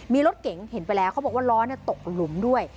มีรถเก๋งเห็นไปแล้วเขาบอกว่าล้อตกหลุมด้วย